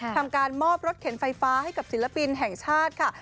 ทำการมอบรถเข็นไฟฟ้าให้กับศิลปินแห่งชาติค่ะ